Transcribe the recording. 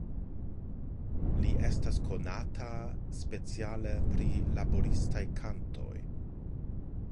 Li estas konata speciale pri laboristaj kantoj.